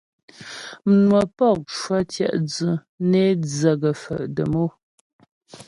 Mmwə̌pɔk cwətyə́ dzʉ' nè dzə̂ gə̀faə̀ dəm o.